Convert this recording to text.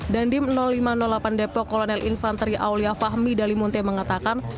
dandim lima ratus delapan depok kolonel infanteri aulia fahmi dalimunte mengatakan